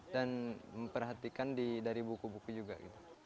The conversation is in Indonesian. dan memperhatikan dari buku buku juga gitu